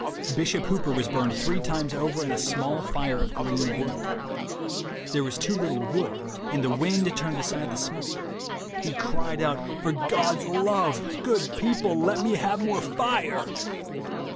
Bishop Hooper was burned three times over in a small fire of green wood. There was too little wood, and the wind turned aside the smoke. He cried out, 'For God's love, good people, let me have more fire.'